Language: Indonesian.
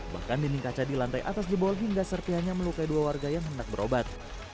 bahkan dinding kaca di lantai atas jebol hingga serpihannya melukai dua warga yang hendak berobat